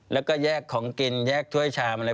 แล้วก็แยกของกินแยกถ้วยชามอะไร